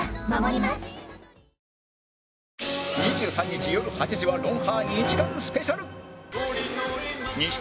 ２３日よる８時は『ロンハー』２時間スペシャル